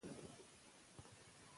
ځینې ویډیوګانې د واقعیت نښې پټوي.